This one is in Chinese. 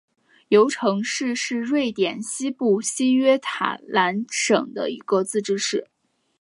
尤城市是瑞典西部西约塔兰省的一个自治市。